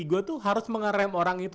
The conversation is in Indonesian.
gue tuh harus mengerem orang itu